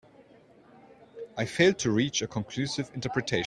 I failed to reach a conclusive interpretation.